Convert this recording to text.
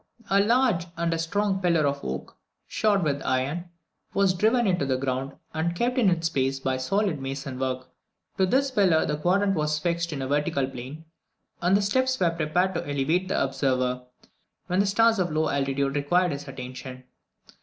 A large and strong pillar of oak, shod with iron, was driven into the ground, and kept in its place by solid mason work. To this pillar the quadrant was fixed in a vertical plane, and steps were prepared to elevate the observer, when stars of a low altitude required his attention.